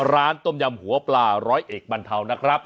ร้านต้มยำหัวปลาร้อยเอกบรรเทานะครับ